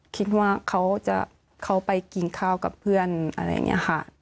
คิดว่าเขาจะเข้าไปกินข้าวกับเพื่อนอะไรเนี่ยค่ะ